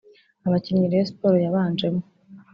Abakinnyi Rayon Sports yabanjemo